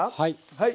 はい。